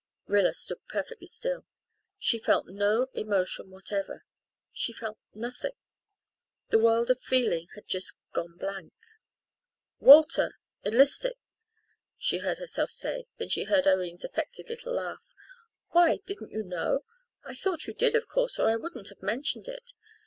Rilla stood perfectly still. She felt no emotion whatever she felt nothing. The world of feeling had just gone blank. "Walter enlisting" she heard herself saying then she heard Irene's affected little laugh. "Why, didn't you know? I thought you did of course, or I wouldn't have mentioned it.